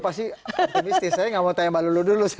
pasti optimistis saya gak mau tanya mbak dulu dulu